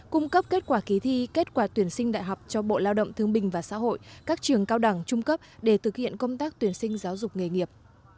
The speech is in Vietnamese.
cung cấp kết quả kỳ thi kết quả tuyển sinh đại học cho bộ lao động thương bình và xã hội các trường cao đẳng trung cấp để thực hiện công tác tuyển sinh giáo dục nghề nghiệp